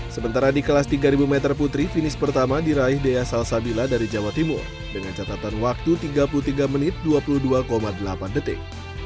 sementara di kelas tiga ribu meter putri finish pertama diraih dea salsabila dari jawa timur dengan catatan waktu tiga puluh tiga menit dua puluh dua delapan detik